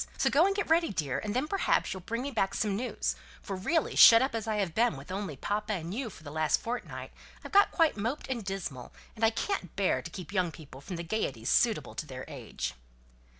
So go and get ready, dear, and then perhaps you'll bring me back some news, for really, shut up as I have been with only papa and you for the last fortnight, I've got quite moped and dismal, and I can't bear to keep young people from the gaieties suitable to their age."